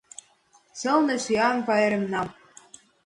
Сылне сӱан пайремнам.